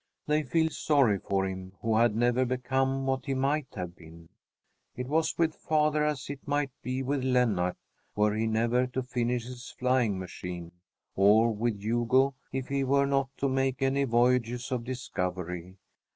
They feel sorry for him who had never become what he might have been. It was with father as it might be with Lennart were he never to finish his flying machine, or with Hugo if he were not to make any voyages of discovery.